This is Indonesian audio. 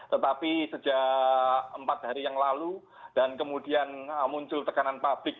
tetapi sejak empat hari yang lalu dan kemudian muncul tekanan publik